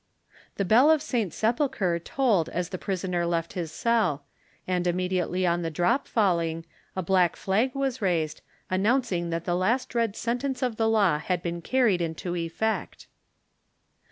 The bell of St. Sepulchre tolled as the prisoner left his cell; and immediately on the drop falling a black flag was raised, announcing that the last dread sentence of the law had been carried into effect.